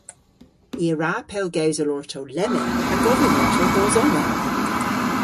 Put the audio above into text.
I a wra pellgewsel orto lemmyn ha govyn orto dos omma.